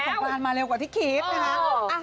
วันของบ้านมาเร็วกว่าที่คิดนะครับ